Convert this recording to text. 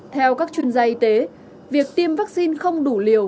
theo các chuyên gia y tế việc tiêm vaccine không đủ liều